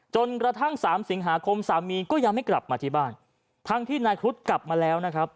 จนกระทั่งสามสิงหาคมสามีก็ยังไม่กลับมาที่บ้านทั้งที่นายครุฑกลับมาแล้วนะครับ